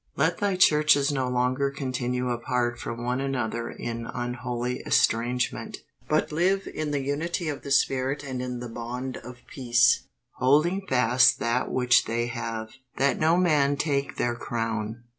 Let Thy churches no longer continue apart from one another in unholy estrangement, but live in the unity of the Spirit and in the bond of peace; holding fast that which they have, that no man take their crown.